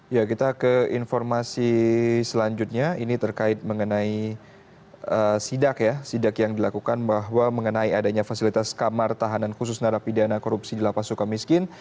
ya kita ke informasi selanjutnya ini terkait mengenai sidak ya sidak yang dilakukan bahwa mengenai adanya fasilitas kamar tahanan khusus narapidana korupsi di lapas suka miskin